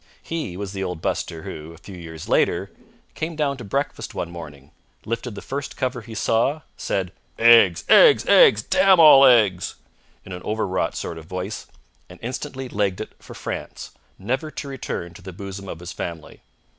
He was the old buster who, a few years later, came down to breakfast one morning, lifted the first cover he saw, said "Eggs! Eggs! Eggs! Damn all eggs!" in an overwrought sort of voice, and instantly legged it for France, never to return to the bosom of his family.